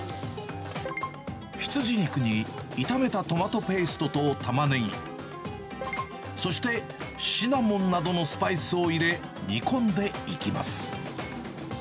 羊肉に炒めたトマトペーストとタマネギ、そしてシナモンなどのスパイスを入れ、煮込んでいきます。